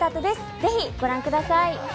ぜひご覧ください。